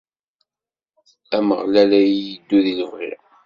Ameɣlal a iyi-iddu di lebɣi.